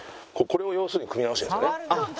これを要するに組み合わせてるんですよね。